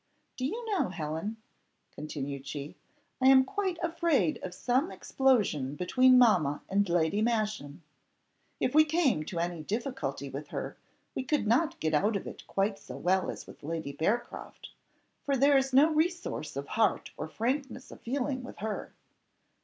Do you know, Helen," continued she, "I am quite afraid of some explosion between mamma and Lady Masham. If we came to any difficulty with her, we could not get out of it quite so well as with Lady Bearcroft, for there is no resource of heart or frankness of feeling with her.